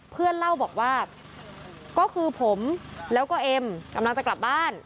เพื่อนเล่าบอกว่าก็คือผมแล้วก็เอ็มกำลังจะกลับบ้าน